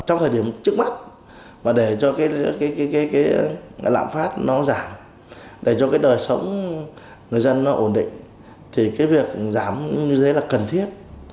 trong thời điểm trước mắt và để cho cái lạm phát nó giảm để cho cái đời sống người dân nó ổn định thì cái việc giảm như thế là cần thiết